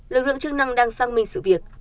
lực lượng chức năng đang xăng minh sự việc